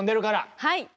はい。